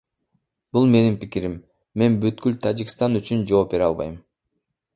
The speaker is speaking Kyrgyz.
Бул менин пикирим, мен бүткүл Тажикстан үчүн жооп бере албайм.